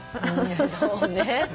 そうね。